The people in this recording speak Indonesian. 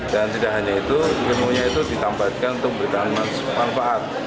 dan tidak hanya itu ilmunya itu ditambahkan untuk berikan manfaat